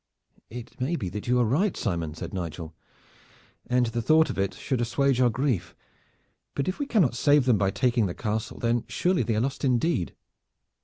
"It may be that you are right, Simon," said Nigel, "and the thought of it should assuage our grief. But if we cannot save them by taking the castle, then surely they are lost indeed."